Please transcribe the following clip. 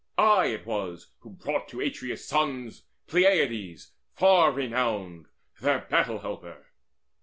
I it was who brought To Atreus' sons Peleides far renowned, Their battle helper.